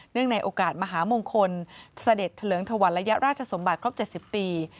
เนื่องในโอกาสมหามงคลสเด็จเฉลิมทวรรยาราชสมบัติครบ๗๐ปี